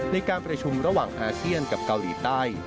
ในการประชุมระหว่างอาเซียนกับเกาหลีใต้